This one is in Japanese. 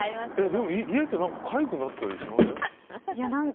でも家でかゆくなったりしません？